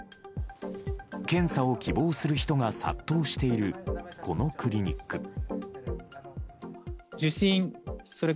検査を希望する人が殺到しているこのクリニック。